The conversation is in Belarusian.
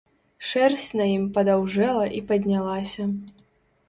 Шэрсць на ім падаўжэла і паднялася.